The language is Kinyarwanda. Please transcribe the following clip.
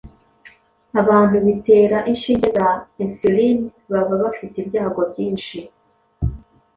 Abantu bitera inshinge za insulin baba bafite ibyago byinshi